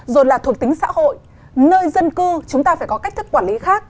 rồi là thuộc tính xã hội nơi dân cư chúng ta phải có cách thức quản lý khác